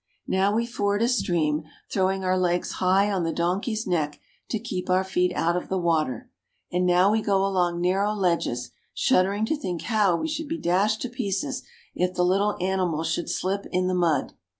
Now we ford a stream, throwing our legs high on the donkey's neck to keep our feet out of the water, and now we go along narrow ledges, shuddering to think how we should be dashed to pieces if the little animals should slip in the mud.